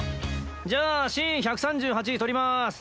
じゃあシーン１３８撮ります。